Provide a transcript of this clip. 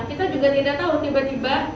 kita juga tidak tahu tiba tiba